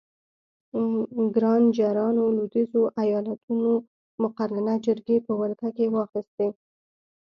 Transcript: ګرانجرانو لوېدیځو ایالتونو مقننه جرګې په ولکه کې واخیستې.